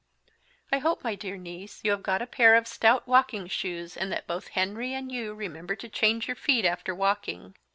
I hope, my dear Niece, you have got a pair of Stout walking shoes, and that both Henry and you remember to Change your feet after Walking.